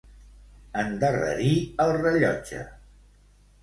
Endarrerir el rellotge.